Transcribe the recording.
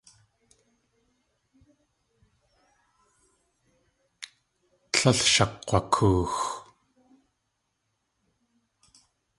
Tlél shakg̲wakoox.